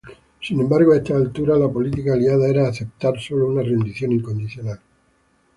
Sin embargo, a esas alturas la política aliada era aceptar sólo una rendición incondicional.